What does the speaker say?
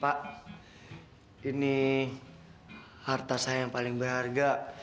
pak ini harta saya yang paling berharga